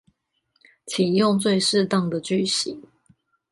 請用最適當的句型